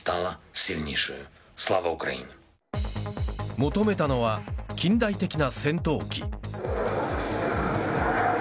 求めたのは近代的な戦闘機。